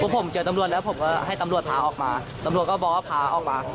ผมเจอตำรวจแล้วผมก็ให้ตำรวจพาออกมาตำรวจก็บอกว่าพาออกมา